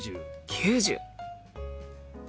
９０。